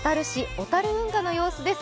小樽運河の様子です。